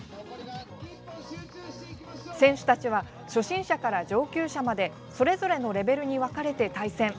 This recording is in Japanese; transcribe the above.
選手たちは初心者から上級者までそれぞれのレベルに分かれて対戦。